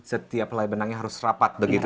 setiap lai benangnya harus rapat begitu ya